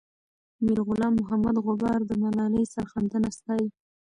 میرغلام محمد غبار د ملالۍ سرښندنه ستايي.